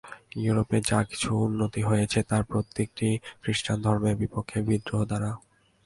ইউরোপে যা কিছু উন্নতি হয়েছে, তার প্রত্যেকটিই ক্রিশ্চানধর্মের বিপক্ষে বিদ্রোহ দ্বারা।